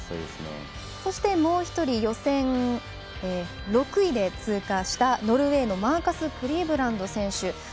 そして、もう１人予選６位で通過したノルウェーのマーカス・クリーブランド選手。